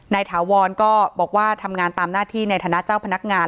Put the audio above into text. ถาวรก็บอกว่าทำงานตามหน้าที่ในฐานะเจ้าพนักงาน